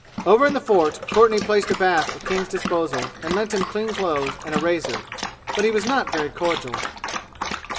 Over in the fort Courtenay placed a bath at King's disposal and lent him clean clothes and a razor. But he was not very cordial.